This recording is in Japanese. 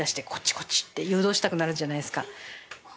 こっちって誘導したくなるじゃないですか。